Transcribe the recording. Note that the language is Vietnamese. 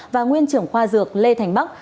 và nguyên trưởng khoa dược lê thành bắc